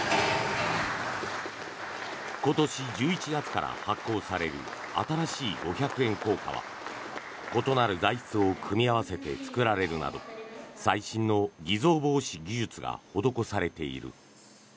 今年１１月から発行される新しい五百円硬貨は異なる材質を組み合わせて作られるなど最新の偽造防止技術が施されている。